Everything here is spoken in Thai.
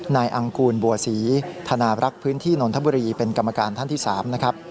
นายอังกูลบัวศีธนารักพื้นที่นทบุรีเป็นกรรมการท่านที่สาม